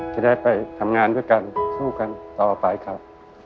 จะได้ไปทำงานด้วยกันสู้กันต่อไปครับ